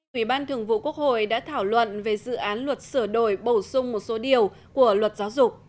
ủy ban thường vụ quốc hội đã thảo luận về dự án luật sửa đổi bổ sung một số điều của luật giáo dục